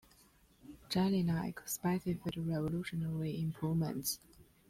Jellinek specified revolutionary improvements.